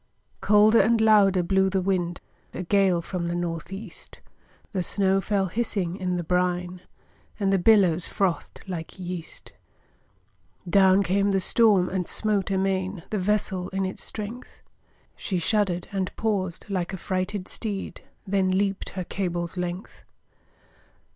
Colder and louder blew the wind, A gale from the North east; The snow fell hissing in the brine, And the billows frothed like yeast. Down came the storm, and smote amain The vessel in its strength; She shudder'd and paused, like a frighted steed, Then leap'd her cable's length.